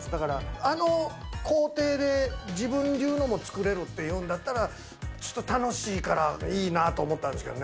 あの工程で自分流のも作れるっていうんだったらば、ちょっと楽しいから、いいなと思ったんですけどね。